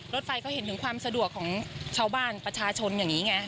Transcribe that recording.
รถไฟก็เห็นถึงความสะดวกของชาวบ้านประชาชนอย่างนี้ไง